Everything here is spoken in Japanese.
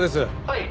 「はい」